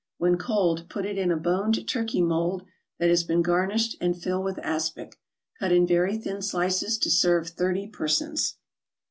When cold put it in a boned turkey mold that has been garnished, and fill with aspic. Cut in very thin slices to serve thirty persons.